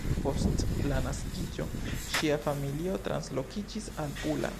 Post la naskiĝo ŝia familio translokiĝis al Pula.